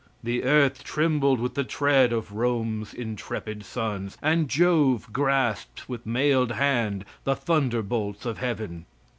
The earth trembled with the tread of Rome's intrepid sons, and Jove grasped with mailed hand the thunderbolts of heaven.